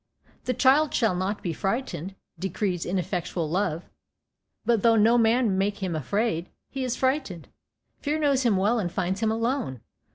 "The child shall not be frightened," decrees ineffectual love; but though no man make him afraid, he is frightened. Fear knows him well and finds him alone.